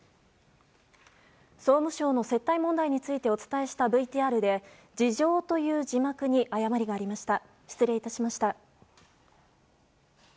総務省の接待問題についてお伝えしたＶＴＲで自浄という字幕に誤りがありました。